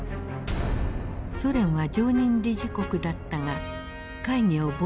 ソ連は常任理事国だったが会議をボイコットしていた。